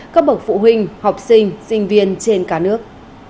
các bậc phụ huynh học sinh sinh viên trên cả nước